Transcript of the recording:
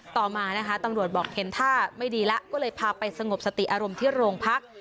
ต่อมานะคะตำรวจบอกเห็นท่าไม่ดีแล้วก็เลยพาไปสงบสติอารมณ์ที่โรงพัก